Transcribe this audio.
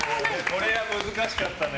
これは難しかったね。